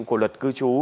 của luật cư trú